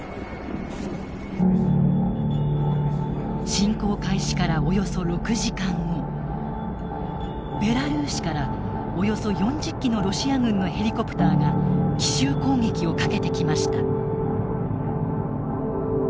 侵攻開始からおよそ６時間後ベラルーシからおよそ４０機のロシア軍のヘリコプターが奇襲攻撃をかけてきました。